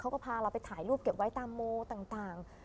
พาเราไปถ่ายรูปเก็บไว้ตามโมต่าง